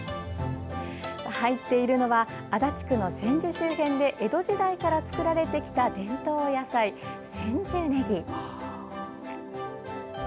入っているのは足立区の千住周辺で江戸時代から作られてきた伝統野菜、千住ねぎ。